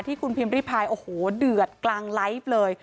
ที่คุณพิมพ์ริพายโอ้โหเดือดกลางไลฟ์เลย